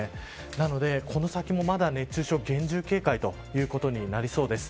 なので、この先もまだ熱中症、厳重警戒ということになりそうです。